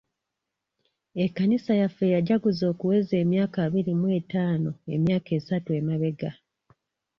Ekkanisa yaffe yajjaguza okuweza emyaka abiri mu ettaano emyaka esatu emabega.